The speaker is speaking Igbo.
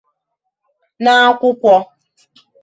n'akwụkwọ